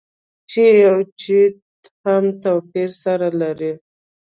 چې او چي هم توپير سره لري.